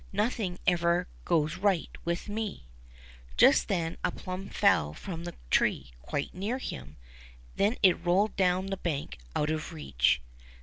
Nothing ever goes right with me !'' Just then a plum fell from the tree quite near him; then it rolled down the bank, out of reach.